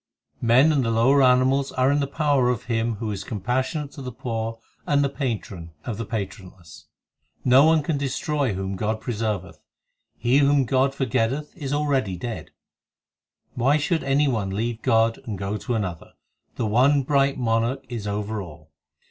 Men and the lower animals are in the power of Him Who is compassionate to the poor and the Patron of the patronless. No one can destroy whom God preserveth ; He whom God forgetteth is already dead. Why should any one leave God and go to another ? The one bright Monarch is over all.